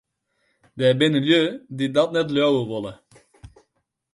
Der binne lju dy't dat net leauwe wolle.